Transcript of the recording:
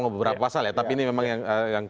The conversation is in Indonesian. beberapa pasal ya tapi ini memang yang